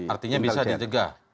artinya bisa dicegah